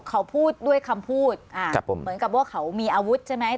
เขาพูดด้วยคำพูดเหมือนกับว่าเขามีอาวุธใช่ไหม